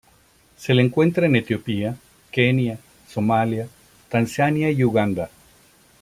Se la encuentra en Etiopía, Kenia, Somalía, Tanzania y Uganda.